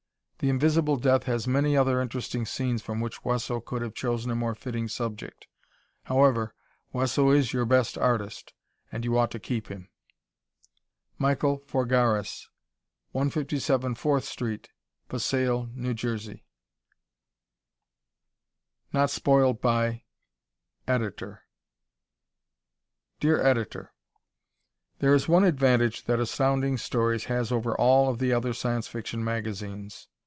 "The Invisible Death" has many other interesting scenes from which Wesso could have chosen a more fitting subject. However, Wesso is your best artist and you ought to keep him. Michael Forgaris, 157 Fourth St., Passale, N. J. "Not Spoiled by ... Editor" Dear Editor: There is one advantage that Astounding Stories has over all of the other Science Fiction magazines.